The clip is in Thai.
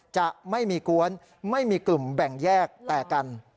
จะไม่มีกวนไม่มีกลุ่มแบ่งแยกแต่กัน